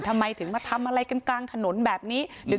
ทำไมถึงมาทำอะไรกันกลางถนนแบบนี้